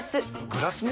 グラスも？